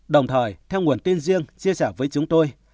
đồng thời theo nguồn tin riêng chia sẻ với chúng tôi